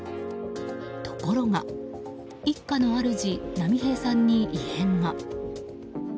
ところが、一家の主波平さんに異変が。